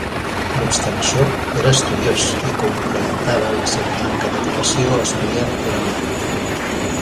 No obstant això, era estudiós i complementava la seva manca d'educació estudiant durant la nit.